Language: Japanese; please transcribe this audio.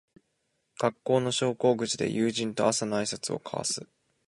学校の昇降口で友人と朝のあいさつを交わす